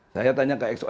saya tanya ke xo